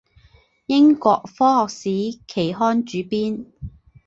英国科学史期刊主编。